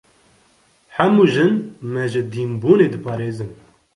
Hemû jin, me ji dînbûnê diparêzin.